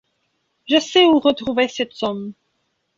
Je sais où retrouver cette somme.